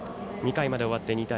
２回まで終わって、２対０。